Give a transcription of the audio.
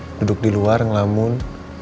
nge gambel duduk di luar ngelamun